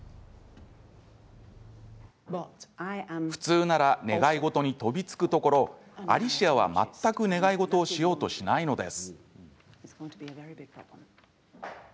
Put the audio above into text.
普通なら願い事に飛びつくところアリシアは全く願い事をしようとしないのです。